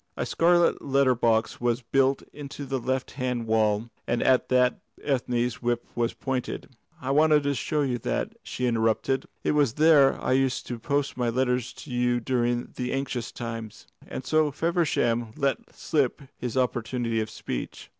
A scarlet letter box was built into the left hand wall, and at that Ethne's whip was pointed. "I wanted to show you that," she interrupted. "It was there I used to post my letters to you during the anxious times." And so Feversham let slip his opportunity of speech.